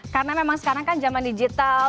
karena memang sekarang kan zaman digital